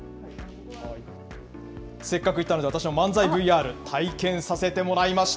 せっかく行ったので、私も漫才ＶＲ、体験させてもらいました。